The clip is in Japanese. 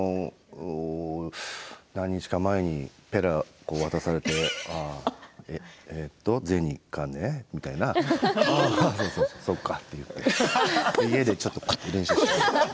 何日か前にペラ、渡されてええっと銭、金みたいなそうかって家でちょっと練習して。